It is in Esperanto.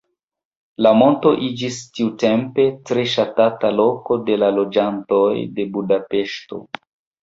La monto iĝis tiutempe tre ŝatata loko de la loĝantoj de Budapeŝto.